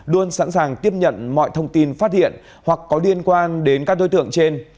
luôn sẵn sàng tiếp nhận mọi thông tin phát hiện hoặc có liên quan đến các đối tượng trên